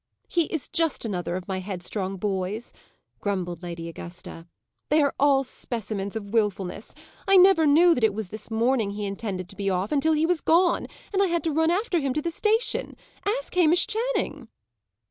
"He is just another of my headstrong boys," grumbled Lady Augusta. "They are all specimens of wilfulness. I never knew that it was this morning he intended to be off, until he was gone, and I had to run after him to the station. Ask Hamish Channing."